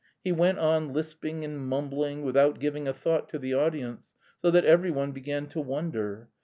He went on lisping and mumbling, without giving a thought to the audience, so that every one began to wonder.